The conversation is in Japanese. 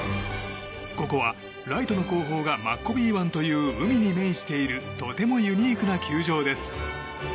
ここは、ライトの後方がマッコビー湾に面しているとてもユニークな球場です。